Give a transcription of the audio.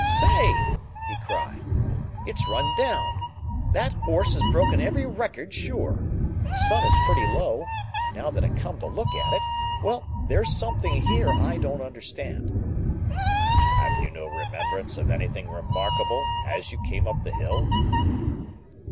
"Say!" he cried. "It's run down. That horse has broken every record, sure. The sun is pretty low, now that I come to look at it. Well, there's something here I don't understand." "Have you no remembrance of anything remarkable as you came up the hill?"